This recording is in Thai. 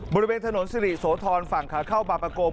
บริเวณถนนสิริโสธรฝั่งขาเข้าบางประกง